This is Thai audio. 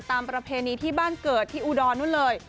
ประเพณีที่บ้านเกิดที่อุดรนู้นเลย